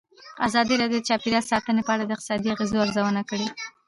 ازادي راډیو د چاپیریال ساتنه په اړه د اقتصادي اغېزو ارزونه کړې.